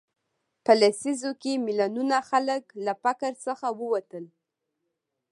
په لسیزو کې میلیونونه خلک له فقر څخه ووتل.